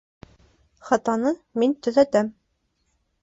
Хатаны мин төҙәтәм.